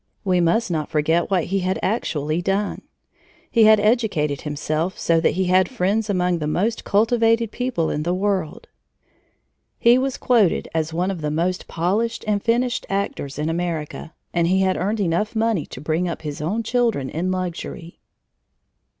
We must not forget what he had actually done. He had educated himself so that he had friends among the most cultivated people in the world; he was quoted as one of the most polished and finished actors in America; and he had earned enough money to bring up his own children in luxury.